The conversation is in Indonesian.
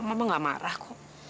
mama nggak marah kok